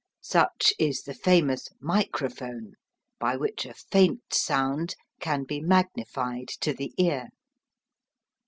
Such is the famous "microphone," by which a faint sound can be magnified to the ear.